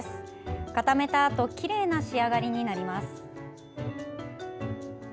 固めたあときれいな仕上がりになります。